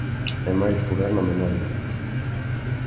E máis furar na memoria.